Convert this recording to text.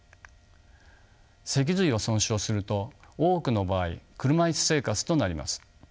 脊髄を損傷すると多くの場合車椅子生活となります。